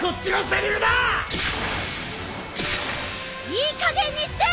いいかげんにして！